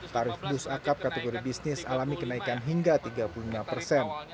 tarif bus akap kategori bisnis alami kenaikan hingga tiga puluh lima persen